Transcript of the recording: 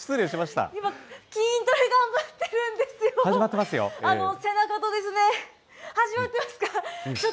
今、筋トレ頑張ってるんです始まってますよ。